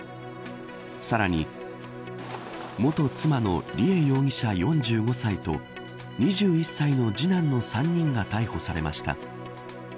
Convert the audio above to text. さらに、元妻の梨恵容疑者、４５歳と２１歳の次男の３人が逮捕されました。